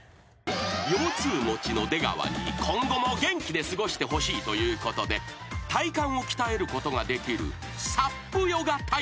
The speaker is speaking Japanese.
［腰痛持ちの出川に今後も元気で過ごしてほしいということで体幹を鍛えることができる］